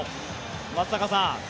松坂さん